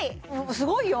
すごいよ！